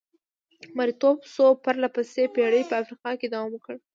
مریتوب څو پرله پسې پېړۍ په افریقا کې دوام وکړ.